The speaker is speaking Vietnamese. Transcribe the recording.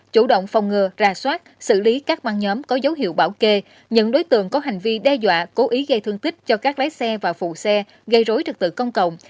chủ động phòng ngừa ra soát xử lý các băng nhóm có dấu hiệu bảo kê những đối tượng có hành vi đe dọa cố ý gây thương tích cho các lái xe và phụ xe gây rối trật tự công cộng